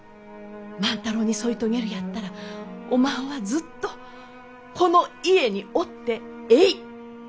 万太郎に添い遂げるやったらおまんはずっとこの家におってえい。